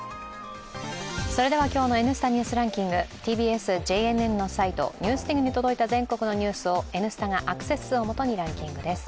それでは今日の「Ｎスタ・ニュースランキング」ＴＢＳ・ＪＮＮのサイト「ＮＥＷＳＤＩＧ」に届いた全国のニュースを「Ｎスタ」がアクセス数を基にランキングです。